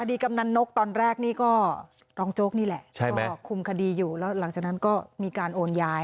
กำนันนกตอนแรกนี่ก็รองโจ๊กนี่แหละก็คุมคดีอยู่แล้วหลังจากนั้นก็มีการโอนย้าย